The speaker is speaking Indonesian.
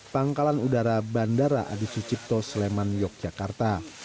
pangkalan udara bandara adi sucipto sleman yogyakarta